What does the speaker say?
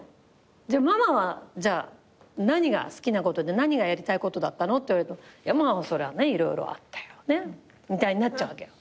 じゃあママは何が好きなことで何がやりたいことだったの？って言われるとそれはね色々あったよねみたいになっちゃうわけよ。